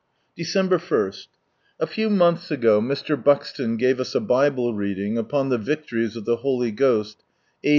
Dteember i. — A few months ago Mr. Buxton gave us a Bible Reading upon the Victories of the Holy Ghost a.